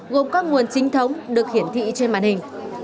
gồm các nguồn chính thống được hiển thị trên màn hình